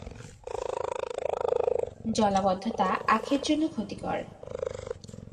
জলাবদ্ধতা আখের জন্য ক্ষতিকর।